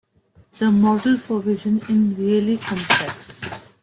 The model for vision in really complex.